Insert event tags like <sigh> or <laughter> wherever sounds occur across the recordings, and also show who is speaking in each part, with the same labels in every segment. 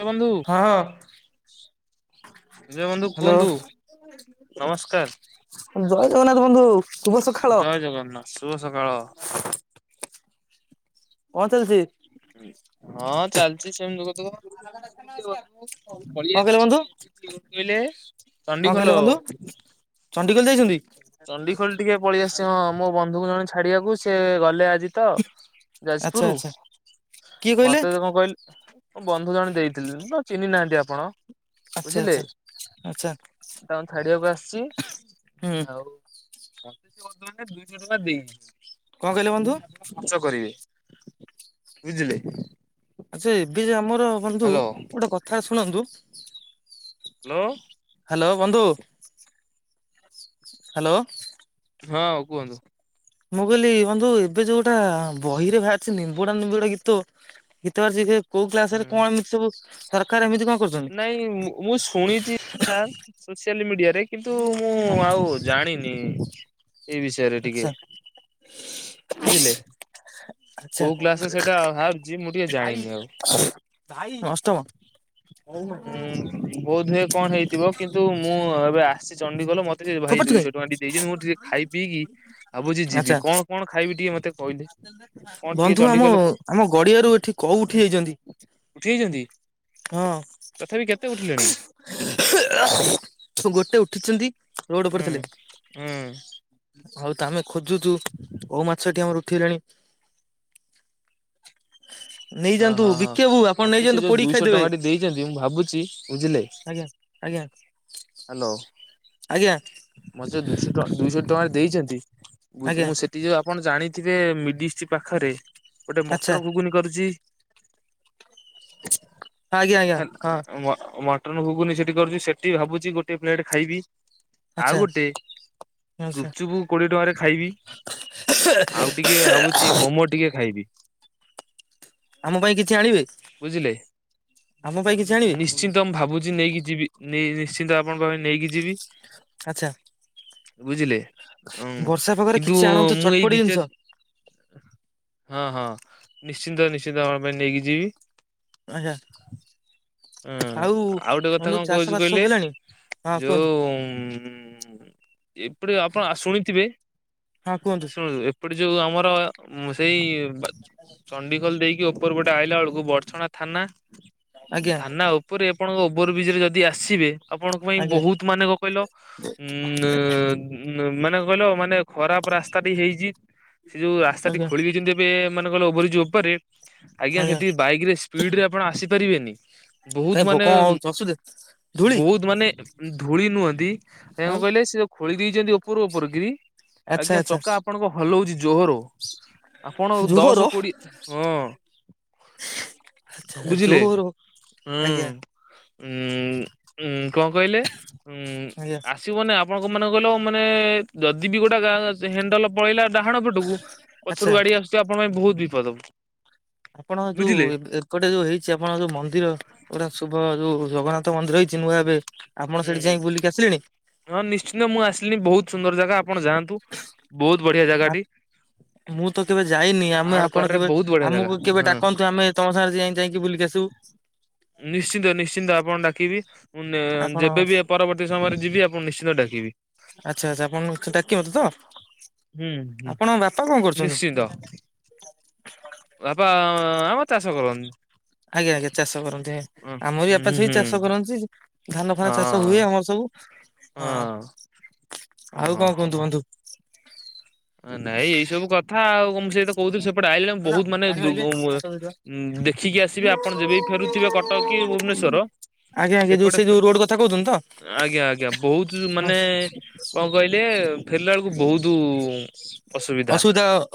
Speaker 1: ହଁ, ବନ୍ଧୁ।
Speaker 2: ହଁ
Speaker 1: ଆଜ୍ଞା! ବନ୍ଧୁ
Speaker 2: ହ୍ୟାଲୋ
Speaker 1: କୁହନ୍ତୁ ନମସ୍କାର।
Speaker 2: ଜୟ ଜଗନ୍ନାଥ ବନ୍ଧୁ, ଶୁଭ ସକାଳ!
Speaker 1: ଜୟ ଜଗନ୍ନାଥ ଶୁଭ ସକାଳ।
Speaker 2: କଣ ଚାଲିଛି?
Speaker 1: ଉଁ। ହଁ, ଚାଲିଛି ସେମିତି ଦୁଃଖ ଦୁଃଖ ମୁଁ ଟିକେ <unintelligible> ପଳେଇ
Speaker 2: କଣ କହିଲେ
Speaker 1: ଆସିଛି
Speaker 2: ବନ୍ଧୁ
Speaker 1: <unintelligible> କହିଲେ
Speaker 2: କଣ କହିଲେ
Speaker 1: ଚଣ୍ଡିଖୋଲ।
Speaker 2: ବନ୍ଧୁ ଚଣ୍ଡିଖୋଲ ଯାଇଛନ୍ତି?
Speaker 1: ଚଣ୍ଡିଖୋଲ ଟିକେ ପଳେଇଆସିଛି ହଁ ମୋ ବନ୍ଧୁଙ୍କୁ ଜଣେ ଛାଡିବାକୁ ସେ ଗଲେ ଆଜି ତ
Speaker 2: ଆଚ୍ଛା
Speaker 1: ଯାଜପୁରୁ
Speaker 2: ଆଚ୍ଛା। କିଏ କହିଲେ
Speaker 1: ମତେ କଣ କହି ମୁଁ ବନ୍ଧୁ ଜଣେ ଦେଇଥିଲି ତ ଚିହ୍ନି ନାହାନ୍ତି ଆପଣ।
Speaker 2: ଆଚ୍ଛା
Speaker 1: ବୁଝିଲେ
Speaker 2: ଆଚ୍ଛା ଆଚ୍ଛା
Speaker 1: ତାଙ୍କୁ ଛାଡିବାକୁ ଆସିଛି।
Speaker 2: ହୁଁ
Speaker 1: ଆଉ ମତେ ସେ ବର୍ତ୍ତମାନ ଟା ଦୁଇଶହ ଟଙ୍କା ଦେଇଚି।
Speaker 2: କଣ କହିଲେ ବନ୍ଧୁ
Speaker 1: ଖର୍ଚ୍ଚ କରିବେ ବୁଝିଲେ।
Speaker 2: ଆଚ୍ଛା ଏବେ ଯେ ଆମର ବନ୍ଧୁ
Speaker 1: ହ୍ୟାଲୋ
Speaker 2: ଗୋଟେ କଥା ଶୁଣନ୍ତୁ?
Speaker 1: ହ୍ୟାଲୋ।
Speaker 2: ହ୍ୟାଲୋ ବନ୍ଧୁ। ହ୍ୟାଲୋ।
Speaker 1: ହଁ, କୁହନ୍ତୁ।
Speaker 2: ମୁଁ କହିଲି ବନ୍ଧୁ ଏବେ ଯୋଉଟା ବହିରେ ବାହାରିଛି ନିମ୍ବୁଡା, ନିମ୍ବୁଡା ଗୀତ। ଗୀତବାହାରିଚି ଯେ କୋଉ କ୍ଲାସ ରେ
Speaker 1: ହୁଁ।
Speaker 2: କଣ ଏମିତି ସବୁ ସରକାର ଏମିତି କଣ କରୁଛନ୍ତି?
Speaker 1: ନାଇଁ ମୁଁ ଶୁଣିଛି ବାସ ସୋସିଆଲ ମିଡିଆରେ କିନ୍ତୁ ମୁଁ
Speaker 2: ହଁ
Speaker 1: ଆଉ ଜାଣିନି ଏଇ ବିଷ <unintelligible> ଟିକେ
Speaker 2: ଆଚ୍ଛା
Speaker 1: ବୁଝିଲେ।
Speaker 2: ଆଚ୍ଛା
Speaker 1: କୋଉ କ୍ଲାସରେ ସେଇଟା ବାହାରିଛି ମୁଁ ଟିକେ ଜାଣିନି ଆଉ।
Speaker 2: ଭାଇ ଅଷ୍ଟମ।
Speaker 1: ହୁଁ ବୋଧହୁଏ କଣ ହେଇଥିବ କିନ୍ତୁ ମୁଁ ଏବେ ଆସିଚି ଚଣ୍ଡିଖୋଲ ମୋତେ ଯେ ଭାଇ
Speaker 2: ଫୋପାଡୁଛୁ କାଇଁ
Speaker 1: ଦୁଇଶହ ଟଙ୍କା ଟି ଦେଇଛି ମୁଁ ଟିକେ ଖାଇ ପିଇକି ଭାବୁଛି
Speaker 2: ଆଚ୍ଛା
Speaker 1: ଯିବି କଣ କଣ ଖାଇବି ଟିକେ ମତେ କହିଲେ କଣ ଟିକେ
Speaker 2: ବନ୍ଧୁ ଆମ
Speaker 1: ଚଣ୍ଡିଖୋଲ
Speaker 2: ଆମ ଗଡିଆରୁ ଏଠି କୋଉ ଉଠି ଯାଇଚନ୍ତି।
Speaker 1: ଉଠିଯାଇଚନ୍ତି?
Speaker 2: ହଁ। ଗୋଟେ ଉଠିଛନ୍ତି ରୋଡ ଉପରେ
Speaker 1: ହୁଁ
Speaker 2: ଥିଲେ।
Speaker 1: ହୁଁ
Speaker 2: ହଉ ତ ଆମେ ଖୋଜୁଛୁ କଉ ମାଛଟି ଆମର ଉଠିଲେଣି।
Speaker 1: ହଁ
Speaker 2: ନେଇଯାଆନ୍ତୁ
Speaker 1: ହଁ ହଁ
Speaker 2: ବିକି ବାବୁ ଆପଣ
Speaker 1: ମତେ ସେ
Speaker 2: ନେଇଯାଆନ୍ତୁ
Speaker 1: ଯୋଉ
Speaker 2: ପୋଡ଼ିକି
Speaker 1: ଦୁଇଶହ
Speaker 2: ଖାଇଦେବେ
Speaker 1: ଟଙ୍କାଟି ଦେଇଛନ୍ତି ମୁଁ ଭାବୁଛି ବୁଝିଲେ
Speaker 2: ଆଜ୍ଞା। ଆଜ୍ଞା।
Speaker 1: ହ୍ୟାଲୋ।
Speaker 2: ଆଜ୍ଞା।
Speaker 1: ମତେ ଦୁଇଶହ ଟଙ୍କା ଦୁଇଶହ ଟଙ୍କା ଟେ ଦେଇଛନ୍ତି
Speaker 2: ଆଜ୍ଞା
Speaker 1: ମୁଁ ସେ ଟି ଯୋଉ ଆପଣ ଜାଣିଥିବେ ମିଡିଷ୍ଟ ପାଖରେ ଗୋଟେ
Speaker 2: ଆଚ୍ଛା
Speaker 1: ମଟର ଘୁଗୁନି କରୁଛି?
Speaker 2: ଆଜ୍ଞା ଆଜ୍ଞା ହଁ
Speaker 1: ଆଁ ମ ମ ମଟର ଘୁଗୁନି ସେଠି କରୁଛି ସେଠି ଭାବୁଛି ଗୋଟେ ପ୍ଲେଟ୍ ଖାଇବି।
Speaker 2: ଆଚ୍ଛା। ଆଚ୍ଛା
Speaker 1: ଗୁପଚୁପୁ କୋଡ଼ିଏ ଟଙ୍କାରେ ଖାଇବି। ଆଉ ଟିକେ ଭାବୁଚି ମୋମୋ ଟିକେ ଖାଇବି।
Speaker 2: ଆମ ପାଇଁ କିଛି ଆଣିବେ
Speaker 1: ବୁଝିଲେ
Speaker 2: ଆମ ପାଇଁ କିଛି ଆଣିବେ
Speaker 1: ନିଶ୍ଚିନ୍ତ ମୁଁ ଭାବୁଛି ନେଇକି ଯିବି। ନେଇ ନିଶ୍ଚିନ୍ତ ଆପଣଙ୍କ ପାଖ ନେଇକି ଯିବି।
Speaker 2: ଆଛା
Speaker 1: ବୁଝିଲେ ଉଁ
Speaker 2: ବର୍ଷା ପାଗରେ
Speaker 1: କିନ୍ତୁ
Speaker 2: କିଛି ଆଣନ୍ତୁ
Speaker 1: ମୁଁ ଏଇ
Speaker 2: ଚଟପଟି
Speaker 1: ଦିଟା
Speaker 2: ଜିନିଷ।
Speaker 1: ହଁ ହଁ ନିଶ୍ଚିନ୍ତ ନିଶ୍ଚିନ୍ତ ଆପଣ ପାଇଁ ନେଇକି ଯିବି।
Speaker 2: ଆଜ୍ଞା
Speaker 1: ହଁ
Speaker 2: ଆଉ
Speaker 1: ଗୋଟେ କଥା
Speaker 2: ବନ୍ଧୁ
Speaker 1: କଣ କହୁଛି
Speaker 2: ଚାଷ ଫାସ
Speaker 1: କହିଲେ
Speaker 2: ସବୁ ହେଲାଣି ହଁ
Speaker 1: ଯୋଉ
Speaker 2: କୁହନ୍ତ?
Speaker 1: ଏପଟେ ଆପଣ ଶୁଣିଥିବେ
Speaker 2: ହଁ କୁହନ୍ତୁ
Speaker 1: ଶୁ ଏପଟେ ଯୋଉ ଆମର ସେଇ
Speaker 2: <inaudible>
Speaker 1: ଚଣ୍ଡିଖୋଲ ଦେଇକି ଉପର ଗୋଟେ ଆଇଲା ବେଳକୁ ବର୍ଛଣା ଥାନା
Speaker 2: ଆଜ୍ଞା
Speaker 1: ଥାନା ଉପରେ ଆପଣଙ୍କ ଓଭରବ୍ରିଜ ରେ ଯଦି ଆସିବେ ଆପଣଙ୍କ ପାଇଁ
Speaker 2: ଆଜ୍ଞା
Speaker 1: ବହୁତ ମାନେ କ କହିଲ ଉ ଉ ମାନେ କହିଲ ମାନେ ଖରାପ ରାସ୍ତାଟି ହେଇଛି ସେ ଯୋଉ ରାସ୍ତାଟି
Speaker 2: ଆଜ୍ଞା
Speaker 1: ଖୋଳି ଦେଇଛନ୍ତି ମାନେ କହିଲରି ଉପରେ ଆଜ୍ଞା ସେଠି ବାଇକ ରେ ସ୍ପିଡ ରେ ଆପଣ ଆସିପାରିବେନି ବହୁତ
Speaker 2: କାଇଁ ଭୋକ
Speaker 1: ମାନେ
Speaker 2: କଣ ହଉଛି ଅସୁବିଧା ଧୂଳି
Speaker 1: ବହୁତ ମାନେ ଧୂଳି ନୁହଁନ୍ତି ତା
Speaker 2: ଆଉ
Speaker 1: କଣ କହିଲେ ସେ ଯ ଖୋଳି ଦେଇଛନ୍ତି ଉପର ଉପର କିରି
Speaker 2: ଆଚ୍ଛା
Speaker 1: ଆଜ୍ଞା
Speaker 2: ଆଚ୍ଛା
Speaker 1: ଚକା ଆପଣଙ୍କ ଭଲ ହଉଛି ଜୋର ଆପଣ
Speaker 2: ଜୋହର
Speaker 1: ଦଶ କୋଡିଏ ହଁ।
Speaker 2: ଆଚ୍ଛା
Speaker 1: ବୁଝିଲେ
Speaker 2: ଜୋର
Speaker 1: ହୁଁ ଉ କଣ କହିଲେ ଉଁ
Speaker 2: ଆଜ୍ଞା
Speaker 1: ଆସିବନେ ଆପଣଙ୍କ ମାନେ କହିଲ ମାନେ ଯଦି ବି ଗୋଟେ ଗାଁ ସେ ହଣ୍ଡଲ ପଳେଇଲା ଡାହାଣ ପେଟକୁ
Speaker 2: ଆଚ୍ଛା
Speaker 1: ପଛରୁ ଗାଡି ଆସୁଛି ଆପଣ ପାଇଁ ବହୁତ ବିପଦ।
Speaker 2: ଆପଣ
Speaker 1: ବୁଝିଲେ
Speaker 2: ଯୋଉ ଗୋଟେ ଯୋଉ ହେଇଛି ଆପଣଙ୍କ ଯୋଉ ମନ୍ଦିର ଗୋଟା ଶୁଭ ଯୋଉ ଜଗନ୍ନାଥ ମନ୍ଦିର ହେଇଛି ନୂଆ ଏବେ ଆପଣ
Speaker 1: ହୁଁ
Speaker 2: ସେଠି
Speaker 1: ହୁଁ
Speaker 2: ଯାଇକ ବୁଲିକି ଆସିଲେଣି?
Speaker 1: ହଁ ନିଶ୍ଚିନ୍ତ ମୁଁ ଆସିଲି ବହୁତ ସୁନ୍ଦର ଜାଗା ଆପଣ ଯାଆନ୍ତୁ ବହୁତ ବଢିଆ
Speaker 2: ଆ-
Speaker 1: ଜାଗାଟି।
Speaker 2: ମୁଁ ତ କେବେ ଯାଇନି ଆମେ
Speaker 1: ପାହାଡ
Speaker 2: ଆପଣ
Speaker 1: କରରେ
Speaker 2: କେବେ
Speaker 1: ବହୁତ ବଢିଆ ଜାଗା
Speaker 2: ଆମକୁ କେବେ
Speaker 1: ହଁ
Speaker 2: ଡାକନ୍ତୁ ଆମେ ତମ ସାଙ୍ଗରେ ଯାଇ ଯାଇକି ବୁଲି ଆସ ତ
Speaker 1: ନିଶ୍ଚିନ୍ତ ନିଶ୍ଚିନ୍ତ ଆପଣ ଡାକିବି
Speaker 2: ଆପଣ
Speaker 1: ଯେବେବି ପରବର୍ତ୍ତୀ ସମୟରେ ଯିବି ଆପଣ ନିଶ୍ଚି ଡାକିବି।
Speaker 2: ଆଚ୍ଛା ଆଚ୍ଛା ଆପଣ ଡାକିବତେ ତ
Speaker 1: ହୁଁ ହୁଁ
Speaker 2: ଆପଣ ବାପା କଣ କରୁଛନ୍ତି?
Speaker 1: ବାପ ଆମତ ଚାସ କରରୁ।
Speaker 2: ଆଜ୍ଞା ଆଜ୍ଞା ଚାଷ କରନ୍ତି ଆମର ବି ବାପା
Speaker 1: ହୁଁ
Speaker 2: ଛୁଇ
Speaker 1: ହୁଁ
Speaker 2: ଚାଷ କରନ୍ତି ଧାନ ଫାନ ଚାଷ ହୁଏ
Speaker 1: ହଁ
Speaker 2: ଆମର ସବୁ। ହଁ
Speaker 1: ଓ
Speaker 2: ଆଉ
Speaker 1: ହଁ
Speaker 2: କଣ କୁହନ୍ତୁ
Speaker 1: ହଁ
Speaker 2: ବନ୍ଧୁ?
Speaker 1: ନାଇଁ ଏଇ ସବୁ କଥା ଆଉଁ ସେତ କହୁଥିଲି ସେପଟେ ଆଇିଲଣି ବହୁତ ମାନେ
Speaker 2: ପାଣି ମାଇଲେ ହାତ ଧୋଇଦବା।
Speaker 1: ଉଁ ଦେଖିକି ଆସିବେ ଆପଣ ଯେବେ ବି ଫେରୁଥିବେ କଟକ କି ଭୁବନେଶ୍ଵର
Speaker 2: ଆଜ୍ଞା ଆଜ୍ଞା ଯୋଉ
Speaker 1: ସେପଟେ
Speaker 2: ସେ ଯୋଉ ରୋଡ କଥା କହୁଛନ୍ତି ତ
Speaker 1: ଆଜ୍ଞା ଆଜ୍ଞା ବହୁତ ମାନେ କଣ କହିଲେ ଫେରିଲା ବେଳକୁ ବହୁତ ଅସୁବିଧା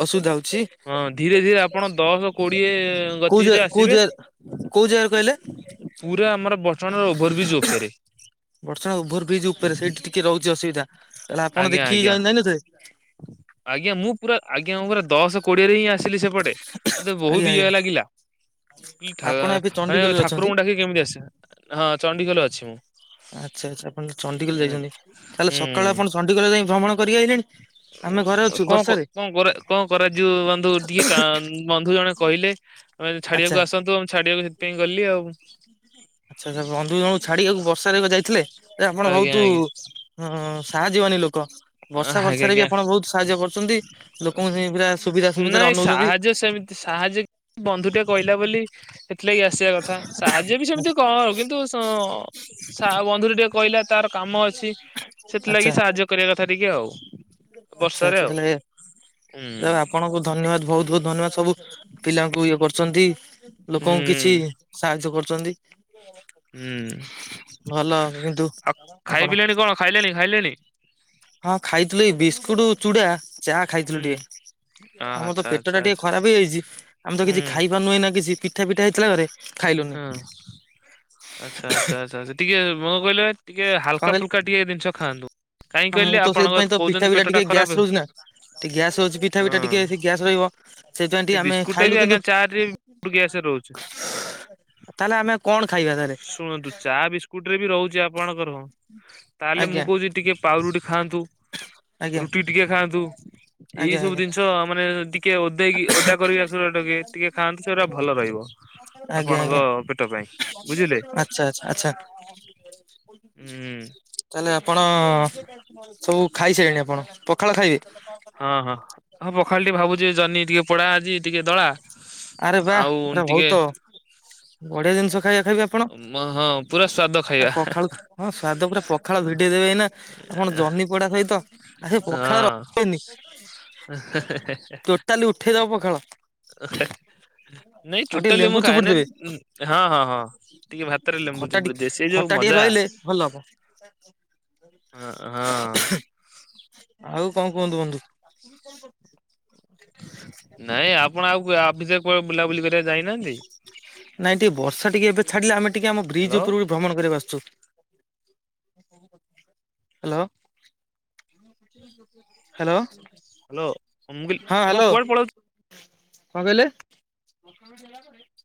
Speaker 2: ଅସୁବିଧା ହଉଛି
Speaker 1: ହଁ ଧୀରେ ଧୀରେ ଆପଣ ଦଶ କୋଡିଏ
Speaker 2: କୋଉ ଜା
Speaker 1: ଗତିରେ ଆ
Speaker 2: କୋଉ
Speaker 1: ଯିବେ।
Speaker 2: ଜା କୋଉ ଜାଗାରୁ କହିଲେ?
Speaker 1: ପୁରା ଆମର ବର୍ଟମାନର ଓଭର ବ୍ରିଜ ଉପରେ
Speaker 2: ବର୍ଷଣା ଓଭର ବ୍ରିଜ ଉପରେ ସେଇଠି ରହୁଛି ଅସୁବିଧା ତାହେଲେ ଆପଣ
Speaker 1: ଆଜ୍ଞା
Speaker 2: ଦେଖିକି
Speaker 1: ଆଜ୍ଞା।
Speaker 2: ଯାଇ ନଥିବେ।
Speaker 1: ଆଜ୍ଞା ମୁଁ ପୁରା ଆଜ୍ଞା ପୁରା ଦଶ କୋଡିଏରେ ହିଁ ଆସ ସିଲି ସେପଟେ ମତେ
Speaker 2: ଆଜ୍ଞା
Speaker 1: ବହୁତ
Speaker 2: ଆଜ୍ଞା
Speaker 1: ଇଏ ଲାଗିଲା।
Speaker 2: ଆପଣ ଏବେ
Speaker 1: ମାନେ
Speaker 2: ଚଣ୍ଡିଖୋଲରେ ଅଛନ୍ତି।
Speaker 1: ଠାକୁରଙ୍କୁ ଡାକି କେମିତି ଆସ ହଁ ଚଣ୍ଡିଖୋଲ ଅଛି ମୁଁ
Speaker 2: ଆଚ୍ଛା ଆଚ୍ଛା ଆପଣ ଚଣ୍ଡିଖୋଲ ଯାଇଛନ୍ତି ତାହେଲେ ସକାଳୁ
Speaker 1: ହୁଁ
Speaker 2: ଆପଣ ଚଣ୍ଡୀଖୋଲ ଯାଇ ଭ୍ରମଣ କରିକ ଆଇଲେଣି। ଆମେ ଘରେ
Speaker 1: ଉଁ
Speaker 2: ଅଛୁ
Speaker 1: କଣ କ
Speaker 2: ବର୍ଷାରେ
Speaker 1: କଣ କର କଣ କରା ଯିବ ବନ୍ଧୁ ଟିକେ କା ବନ୍ଧୁ ଜଣେ କହିଲେ। ଆମେ
Speaker 2: ଆଚ୍ଛା।
Speaker 1: ଛାଡିବାକୁ ଆସନ୍ତୁ ଆ ଛାଡିବାକୁ ସେଥିପାଇଁ ଗଲି ଆଉ।
Speaker 2: ଆଚ୍ଛା ଆଛା ବନ୍ଧୁ ଜଣୁ ଛାଡିବାକୁ ବର୍ଷାାରେ ଯାଇଥିଲେ ଆପଣ
Speaker 1: ଆଜ୍ଞା
Speaker 2: ବହୁତ
Speaker 1: ଆଜ୍ଞା
Speaker 2: ହଁ ସାହା ଯିବାନି ଲୋକ ବର୍ଷା
Speaker 1: ଆଜ୍ଞା
Speaker 2: ବର୍ଷାରେ
Speaker 1: ଆଜ୍ଞା।
Speaker 2: ବି ଆପଣ ବହୁତ ସାହାଯ୍ୟ କରୁଛନ୍ତି ଲୋକଙ୍କୁ ହ ପୁରା ସୁବିଧା ସୁବିଧାରେ
Speaker 1: ନାଇଁ
Speaker 2: ଅନଉଛନ୍ତି।
Speaker 1: ସାହାଯ୍ୟ ସେମିତି ସାହାଯ୍ୟ ବନ୍ଧୁ ଟା କହିଲା ବୋଲି ସେଥିଲାଗି ଆସିବା କଥା ସାହାଯ୍ୟ ବି ସେମିତି କଣ ଆଉ କିନ୍ତୁ ଆଁ ବନ୍ଧୁରୁ ଟିକେ କହିଲା ତାର କାମ ଅଛି
Speaker 2: ଆଚ୍ଛା
Speaker 1: ସେଥିଲାଗି ସାହାଯ୍ୟ କରିବା କଥା ଟିକେ ଆଉ
Speaker 2: ଆଚ୍ଛା
Speaker 1: ବର୍ଷାରେ
Speaker 2: ଆଚ୍ଛା
Speaker 1: ଆଉ
Speaker 2: ତାହେଲେ
Speaker 1: ହୁଁ
Speaker 2: ଆପଣ କୁ ଧନ୍ୟବାଦ ବହୁତ ବହୁତ ଧନ୍ୟବାଦ ସବୁ ପିଲାଙ୍କୁ ଇଏ କରୁଚନ୍ତି ଲୋକଙ୍କୁ କିଛି
Speaker 1: ହୁଁ।
Speaker 2: ସାହାଯ୍ୟ କରୁଚନ୍ତି।
Speaker 1: ହୁଁ
Speaker 2: କିନ୍ତୁ
Speaker 1: ଆଉ
Speaker 2: ଆପଣ
Speaker 1: ଖାଇ ପିଲେଣି କଣ ଖାଇଲେଣି ଖାଇଲେଣି।
Speaker 2: ହଁ ଖାଇଥିଲୁ ଏଇ ବିସ୍କୁଟ ଚୁଡା ଚା ଖାଇଥିଲୁ
Speaker 1: ହୁଁ
Speaker 2: ଟିକେ। ଆମର ତ
Speaker 1: ଆଚ୍ଛା
Speaker 2: ପେଟ
Speaker 1: ଆଚ୍ଛା
Speaker 2: ଟା ଟିକେ
Speaker 1: ଆଚ୍ଛା।
Speaker 2: ଖରାପ ହେଇଯାଇଚି। ଆମେ ତ
Speaker 1: ହୁଁ
Speaker 2: କିଛି ଖାଇ ପାରୁ ନୁ ଏଇନା କିଛି ପିଠା ପିଠା ହେଇଥିଲା ଘରେ ଖାଇଲୁନି।
Speaker 1: ହଁ ଆଚ୍ଛା ଆଚ୍ଛା ଆଚ୍ଛା ଟିକେ ମୁଁ କହିଲି ଟିକେ
Speaker 2: କଣ
Speaker 1: ହାଲକା
Speaker 2: କହିଲେ?
Speaker 1: ଫୁଲକା ଟିକେ ଜିନିଷ ଖାଆନ୍ତୁ। କାହିଁ
Speaker 2: ହଁ
Speaker 1: କହିଲେ
Speaker 2: ମୁଁ ତ
Speaker 1: ଆପଣଙ୍କ
Speaker 2: ସେଇଥିପାଇଁ ତ ପିଠା
Speaker 1: କହୁଛନ୍ତି
Speaker 2: ପିଠା
Speaker 1: ପେଟ ଟା
Speaker 2: ଟିକେ
Speaker 1: ଖରାପ
Speaker 2: ଗ୍ୟାସ ରହୁଚି ନା ଗ୍ୟାସ ରହୁଚି ପିଠା ପିଠା
Speaker 1: ହଁ।
Speaker 2: ଟିକେ ସେ ଗ୍ୟାସ ରହିବ ସେଇପାଇଁ ଟିକ ଆମେ ଖାଇଲୁ କିନ୍ତୁ
Speaker 1: ବୁ ଗ୍ୟାସ ରହୁଚି।
Speaker 2: ତାହେଲେ ଆମେ କଣ ଖାଇବା ତାହେଲେ।
Speaker 1: ଶୁଣନ୍ତୁ ଚା ବିସ୍କୁଟ ରେ ବି ରହୁଚି ଆପଣଙ୍କର ତାହେଲେ
Speaker 2: ଆଜ୍ଞା
Speaker 1: ମୁଁ କହୁଚି ଟିକେ ପାଉରୁଟି ଖାଆନ୍ତୁ
Speaker 2: ଆଜ୍ଞା।
Speaker 1: ରୁଟି ଟିକେ ଖାଆନ୍ତୁ ଏଇ
Speaker 2: ଆଜ୍ଞା
Speaker 1: ସବୁ ଜିନିଷ ମାନେ ଟିକେ ଓଦେଇକି ଓଦା କରିକି ଟିକେ ଖାନ୍ତୁ ସେଗୁରା ଭଲ ରହିବ।
Speaker 2: ଆଜ୍ଞା ଆଜ୍ଞା
Speaker 1: ଆପଣଙ୍କ
Speaker 2: ଆଜ୍ଞା
Speaker 1: ପେଟ ପାଇଁ ବୁଝିଲେ
Speaker 2: ଆଚ୍ଛା ଆଚ୍ଛା ଆଚ୍ଛା
Speaker 1: ହୁଁ।
Speaker 2: ତାହେଲେ ଆପଣ ସବୁ ଖାଇସାଇଲେଣି ଆପଣ ପଖାଳ ଖାଇବେ।
Speaker 1: ହଁ ହଁ ହଁ ପଖାଳ ଟିକେ ଭାବୁଚି ଜନି ଟିକେ ପୋଡା ଆଜି ଟିକେ ଦଳା
Speaker 2: ଆରେ ବା
Speaker 1: ଆଉ
Speaker 2: ରା
Speaker 1: ଟିକେ
Speaker 2: ଵହୁତ ବଢିଆ ଜିନିଷ ଖାଇବା ଖାଇବେ ଆପଣ
Speaker 1: ହଁ ପୁରା ସ୍ଵାଦ
Speaker 2: ଆ
Speaker 1: ଖାଇବା
Speaker 2: ପଖାଳୁ ହଁ ସ୍ଵାଦ ପୁରା ପ ପଖାଳ ଭିଡିଦେବେ ଏଇନା ଆପଣ ଜହ୍ନି ପୋଡା ସହିତ ଆ ସେ ପଖାଳ ରହିବନି।
Speaker 1: ହେ ହେ ହେ।
Speaker 2: ତାଲେ ଉଠେଇଦବ ପଖାଳ।
Speaker 1: ହେ ନାଇଁ
Speaker 2: ଆଉ ଟିକେ
Speaker 1: ଟୋଟାଲି
Speaker 2: ଲେମ୍ବୁ
Speaker 1: ମୁଁ
Speaker 2: ଚୁପୁଡି
Speaker 1: ଖାଏନି
Speaker 2: ଦେବେ
Speaker 1: ହଁ ହଁ ହଁ। ଟିକେ ଭାତରେ ଲେମ୍ବୁ
Speaker 2: ଖଟା ଟି
Speaker 1: ଚିପୁଡ଼ି ଦିଏ ସେ ଯୋଉ
Speaker 2: ଖଟା ଟିକେ
Speaker 1: ମଜା
Speaker 2: ରହିଲେ ଭଲ ହବ।
Speaker 1: ହଁ ହଁ
Speaker 2: ଆଉ କଣ କୁହନ୍ତୁ ବୁନ୍ଧୁ। <inaudible>
Speaker 1: ନାଇଁ ଆପଣ ଆଉ <unintelligible> କରିବାକୁ ଯାଇନାହାନ୍ତି?
Speaker 2: ନାଇଁ ଟିକେ ବର୍ଷା ଟିକେ ଏବେ ଛାଡିଲେ ଆମେ ଟିକେ ଆମ ବ୍ରିଜ
Speaker 1: ହ୍ୟାଲୋ
Speaker 2: ଉପରକୁ ଭ୍ରମଣ କରିବା ଆସିଚୁ। <inaudible> <inaudible> ହେଲୋ। ହାଲୋ।
Speaker 1: ହେଲୋ।
Speaker 2: ହଁ ହ୍ୟାଲୋ କଣ କହିଲେ।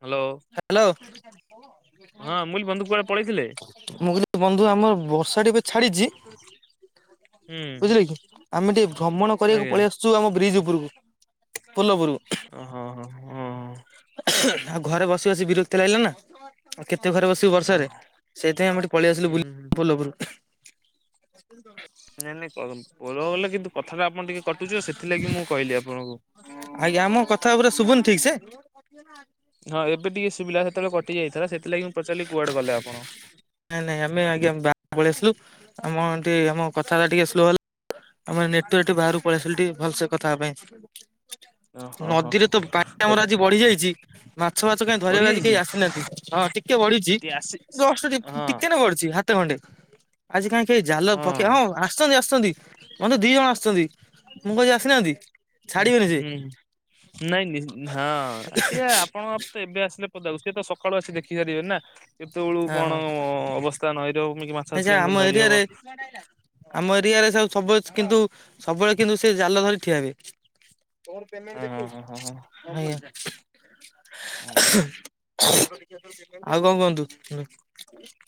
Speaker 1: ହ୍ୟାଲୋ।
Speaker 2: ହ୍ୟାଲୋ।
Speaker 1: ହଁ ମୁଁ ବନ୍ଧୁ କୁଆଡେ ପଳେଇଥିଲେ।
Speaker 2: ମୁଁ କହିଲି ବନ୍ଧୁ ଆମର ବର୍ଷାଟି ଏବେ ଛାଡିଚି
Speaker 1: ହୁଁ
Speaker 2: ବୁଝିଲେ କି ଆମେ ଟିକେ ଭ୍ରମଣ କରିବାକୁ
Speaker 1: ଆଜ୍ଞା
Speaker 2: ପଳେଇ ଆସିଚୁ ଆମ ବ୍ରିଜ୍ ଉପରକୁ ପୋଲଉପରକୁ।
Speaker 1: ଓ ହଁ ହଁ ହ।
Speaker 2: ଆଉ ଘରେ ବସି ବସି ବିରକ୍ତି ଲାଗିଲା ନା। ଆଉ କେତେ ଘରେ ବସିବୁ
Speaker 1: ଓହ
Speaker 2: ବର୍ଷାରେ ସେଇଥିପଁ ଆମେ ଟିକ ପଳେଇଆସିଲୁ
Speaker 1: ହୁଁ
Speaker 2: ବୁଲି
Speaker 1: ହୁଁ ହୁଁ।
Speaker 2: ପୋଲଉପରକୁ।
Speaker 1: ନାଇଁ ନାଇଁ <unintelligible> ଗଲ ଗଲ କିନ୍ତୁ କଥା ଟା ଆପଣ ଟିକେ କଟୁଚିତ ସେଥିଲାଗି ମୁଁ କହିଲି ଆପଣଙ୍କୁ।
Speaker 2: ଆଜ୍ଞା ଆମ କଥା ଉପରେ ଶୁଭୁନି ଠିକ୍ ସେ।
Speaker 1: ହଁ ଏବେ ଟିକେ ସୁବିଲା ସେତେବେଳେ କଟି ଯାଇଥିଲା ସେଥିଲାଗି ମୁଁ ପଚାରିଲି କୁଆଡେ ଗଲେ ଆପଣ।
Speaker 2: ନାଇଁ ନାଇଁ ଆମେ ଆଜ୍ଞା ବ ପଳେଇ ଆସିଲୁ ଆମ ଟି ଆମ କଥାଟା ଟିକେ ସ୍ଲୋ ହେଲା ଆମେ ନେଟାର୍ ଟିକେ ବା ପଳେଇ ଆସିଲି ଭଲସେ କଥା ହବା ପାଇଁ
Speaker 1: ଓହୋ
Speaker 2: ନଦୀରେ ତ
Speaker 1: ହୋ।
Speaker 2: ପାଣି ଆମର ଆଜି ବଢି ଯାଇଛି। ମାଛ ମାଛ କାଇଁ
Speaker 1: ବଢି
Speaker 2: ଧରିବା ଆଜି କେହି
Speaker 1: ଯାଇଛି
Speaker 2: ଆସିନାହାନ୍ତି ହଁ ଟିକେ ବଢିଛି
Speaker 1: ଟି ଆସି ହଁ
Speaker 2: ଟିକେ ନା ବଢୁଛି। ହାତ ଖଣ୍ଡେ ଆଜି କାହିଁକ ଜାଲ ପକେଇ ହଁ ଆସିଛନ୍ତି ଆସଛନ୍ତି ମତ ଦି ଜଣ ଆସୁଛନ୍ତି ମୁଁ କଛି ଆସିନାହାନ୍ତି ଛାଡିବେନି ସେ
Speaker 1: ହୁଁ ନାଇଁ ହଁ ସିଏ ଆପଣଙ୍କ ତ ଏବେ ଆସିଲେ ପଦାକୁ ସେଏ ତ ସକାଳୁ ଆସି ଦେଖି ପାରିବେ ନା କେତେବେଳୁ
Speaker 2: ହଁ ହଁ
Speaker 1: କଣ ଅବସ୍ଥା ନଈ ରମ ମାଛ ମାଛି ଆ ଧରିହବ।
Speaker 2: କୁଆଡ଼େ ଆଇଲା? ଆମ ଏରିଆ ରେ ସବୁ ସବୁ କିନ୍ତୁ ସବୁବେଳେ କିନ୍ତୁ ସେ ଜାଲ ଧରି ଠିଆ ହୁଏ।
Speaker 1: ହଁ ହଁ ହଁ
Speaker 2: ଦେଖ
Speaker 1: ହଁ ହଁ
Speaker 2: ଆଜ୍ଞା <inaudible>
Speaker 1: ହଁ
Speaker 2: ଆଉ କଣ କୁହନ୍ତୁ?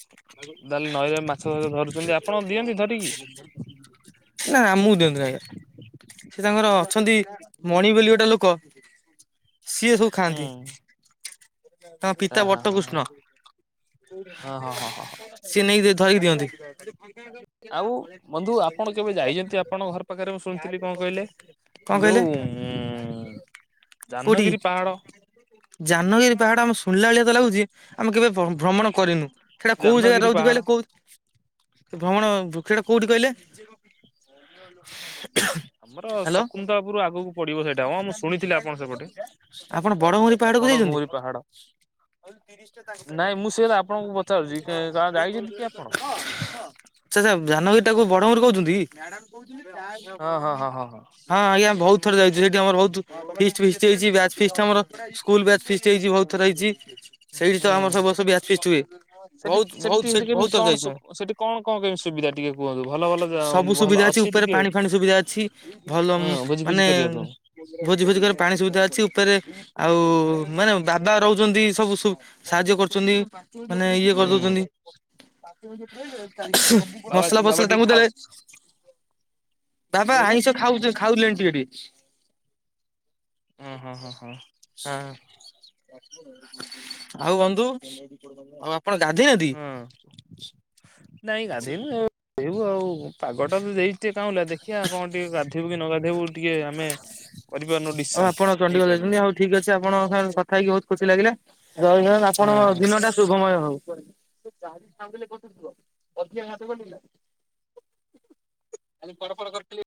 Speaker 1: ଡାଲି ନଈରେ ମାଛ ଧରୁଛନ୍ତି ଆପଣ ଦିଅନ୍ତି ଧରିକି।
Speaker 2: <inaudible> ନା ଆମକୁ ଦିଅନ୍ତୁ ଆଜ୍ଞା ସେ ତାଙ୍କର ଅଛନ୍ତି ମଣି ବୋଲି ଗୋଟେ ଲୋକ ସିଏ ସବୁ
Speaker 1: ହୁଁ।
Speaker 2: ଖାଆନ୍ତି। ତାଙ୍କ
Speaker 1: ହଁ
Speaker 2: ପିତା
Speaker 1: ହଁ ହଁ
Speaker 2: ବଟକୃଷ୍ଣ।
Speaker 1: ହଁ ହଁ ହଁ ହଁ
Speaker 2: ସିଏ ନେଇକି ଧରିକି ଦିଅନ୍ତି। <inaudible>
Speaker 1: ଆଉ ବନ୍ଧୁ ଆପଣ କେବେ ଯାଇଛନ୍ତି ଆପଣଙ୍କ ଘର ପାଖରେ ମୁଁ ଶୁଣିଥିଲି କଣ କହିଲେ
Speaker 2: କହିଲେ
Speaker 1: ଯୋଉ ଉ ଜାହ୍ନଗିରି ପାହାଡ
Speaker 2: ଯାନଗିରି ପାହାଡ ଆମ ଶୁଣିଲାଳିଆ ତ ଲାଗୁଛି ଆମେ କେବେ ଭ୍ରମଣ କରିନୁ ସେଇଟା କୋଉ ଜାଗାରେ
Speaker 1: ଜାହ୍ନଗିରି
Speaker 2: ରହୁଛି
Speaker 1: ପାହାଡ
Speaker 2: କହିଲେ କଉ? ସେ ଭ୍ରମଣ ଭୃକ୍ଷଟା କୋଉଠି କହିଲେ?
Speaker 1: ଆମର
Speaker 2: ହ୍ୟାଲୋ
Speaker 1: ଶକୁତାପୁର ଆଗକୁ। ପଡିବ ସେଇଟା ହଁ ମୁଁ ଶୁଣିଥିଲି ଆପଣ ସେପଟେ
Speaker 2: ଆପଣ ବଡଭରି ପାହାଡକୁ
Speaker 1: ବଡ
Speaker 2: ଯାଇଛନ୍ତି?
Speaker 1: ଘୁମୁରି ପାହାଡ।
Speaker 2: ଉ ତିରିଶ ଟା ତା ଭିତରେ
Speaker 1: ନାଇଁ
Speaker 2: ପେଇଁ
Speaker 1: ମୁଁ ସେଇଟା ଆପଣଙ୍କୁ ପଚାରୁଛି ଯାଇଛନ୍ତି କି ଆପଣ?
Speaker 2: <inaudible> ଆଛା ଧାନଗିରିଟାକୁ ବଡଙ୍ଗରି କହୁଛନ୍ତି? ହଁ
Speaker 1: ହଁ ହଁ ହଁ ହଁ ହଁ।
Speaker 2: ଆଜ୍ଞା ବହୁତ ଥର ଯାଉଛି। ସେଠି ଆମର ବହୁତ ଫିଷ୍ଟି ଫିଷ୍ଟି ହେଇଛି ବ୍ୟାଚ ଫିଷ୍ଟ ଆମର ସ୍କୁଲ ବ୍ୟାଚ ଫିଷ୍ଟ ହେଇଛି ବହୁତ ଥର ହେଇଛି। ସେଇଠି ତ ଆମର
Speaker 1: ହୁଁ।
Speaker 2: ସବୁବର୍ଷ ବ୍ୟାଚ ପିଷ୍ଟ ହୁଏ।
Speaker 1: ସେଠି
Speaker 2: ବହୁତ
Speaker 1: ସେମି
Speaker 2: ବହୁତ
Speaker 1: ସେଠି
Speaker 2: ବହୁତ
Speaker 1: କେମିତି
Speaker 2: ଥର
Speaker 1: କଣ
Speaker 2: ଯାଇଛୁ ଆମେ
Speaker 1: ସେଠି କଣ କଣ କେମିତି ସୁବିଧା ଟିକେ କୁହନ୍ତୁ ଭଲ
Speaker 2: ସବୁ
Speaker 1: ଭଲ? ଭଲ
Speaker 2: ସୁବିଧା ଅଛି ଉପରେ
Speaker 1: ଟିକେ ହଁ
Speaker 2: ପାଣି ଫାଣି ସୁବିଧା ଅଛି ଭଲ
Speaker 1: ଭୋଜି ଫୋଜି
Speaker 2: ମାନେ
Speaker 1: କରିବାକୁ
Speaker 2: ଭୋଜି ଭୋଜି କରେ ପାଣି ସୁବିଧା ଅଛି ଉପରେ ଆଉ ମାନେ ବାବା ରହୁଛନ୍ତି ସବୁ ସାହାଯ୍ୟ କରୁଛନ୍ତି। ମାନେ ଇଏ
Speaker 1: ହୁଁ।
Speaker 2: କରିଦଉଛନ୍ତି।
Speaker 1: ବାବା
Speaker 2: ମସଲା
Speaker 1: ବାବା
Speaker 2: ଫସଲା
Speaker 1: ଟିକେ
Speaker 2: ତାଙ୍କୁ
Speaker 1: ଖାଉ
Speaker 2: ଦେଲେ
Speaker 1: କଣ
Speaker 2: ବାବା
Speaker 1: କହିଲେ?
Speaker 2: ଆଇଁଷ ଖାଉ ଖାଉଲେଣି ଟିକେ ଟିକେ
Speaker 1: ହୁଁ ହୁଁ ହୁଁ ହୁଁ।
Speaker 2: ହଁ ଆଉ ବନ୍ଧୁ ଆଉ ଆପଣ ଗାଧୋଇହାନ୍ତି?
Speaker 1: ହଁ ନାଇଁ ଗାଧେଇବୁ ଗାଧେଇବୁ ଆଉ ପାଗଟା ତ ଦେଇଛି କାଁଲା ଦେଖିବା କଣ ଟିକେ ଗାଧୋଇବୁ କି ନ ଗାଧେଇବୁ ଟିକେ ଆମେ କରିପାରୁନୁ ଡିସିସନ ନେଇ ପାରୁନୁ।
Speaker 2: ଠିକ୍ ଅଛି ଆପଣଙ୍କ ସାଙ୍ଗରେ କଥା ହେଇକି ବହୁତ ଖୁସି ଲାଗିଲା। ଜୟନନ୍ଦ ଆପଣଙ୍କ
Speaker 1: ହଁ।
Speaker 2: ଦିନ ଟା ଶୁଭମୟ ହଉ। ଯାହାି ସାଙ୍ଗିଲେ ପସୁଥିବ ଅଧିକା ହାତ ଗଟିଲା <inaudible> ଆ ପଡ ଫଡ କରିଥିଲି <inaudible>